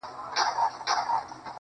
ته مې هغسې په زړه یې لکه وې چې